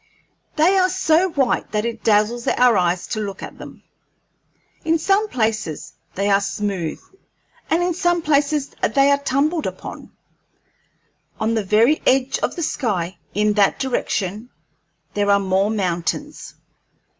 They are so white that it dazzles our eyes to look at them. In some places they are smooth, and in some places they are tumbled up. On the very edge of the sky, in that direction, there are more mountains.